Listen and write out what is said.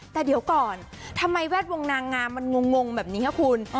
แต่เดี๋ยวก่อนทำไมแวดวงนางงามมันงงแบบนี้ครับคุณ